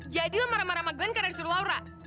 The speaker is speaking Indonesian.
jadi lu marah marah sama glenn karena disuruh laura